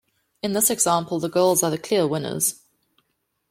In this example, the girls are the clear winners.